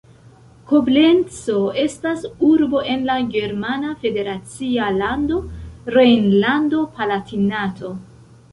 Koblenco estas urbo en la germana federacia lando Rejnlando-Palatinato.